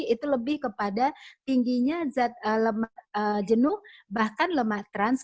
itu lebih kepada tingginya jenuh bahkan lemak trans